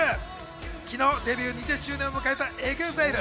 昨日デビュー２０周年を迎えたＥＸＩＬＥ。